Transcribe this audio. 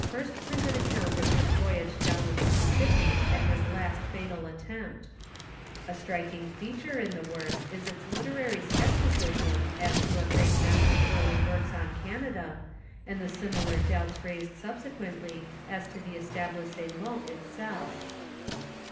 79 flnt printed kccount of hit voyage down tlio Miuiuippi, and his Init fatul at tempt A itrilcing feature in the work is its literary skeptioism, as to a Kivat mass of early works on Canada, and the similar doubts raised suUeqiienllv m to the Etablissement itself.